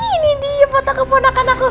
ini dia potak keponakan aku